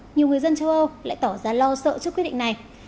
nhiều người dân châu âu lại tỏ ra lo sợ trước quyết định này